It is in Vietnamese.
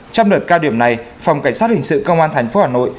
trong đợt cao điểm này phòng cảnh sát hình sự công an tp hà nội